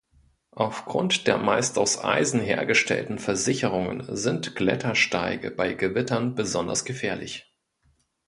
Aufgrund der meist aus Eisen hergestellten Versicherungen sind Klettersteige bei Gewittern besonders gefährlich.